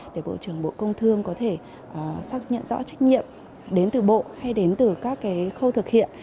để bộ trưởng bộ công thương có thể xác nhận rõ trách nhiệm đến từ bộ hay đến từ các khâu thực hiện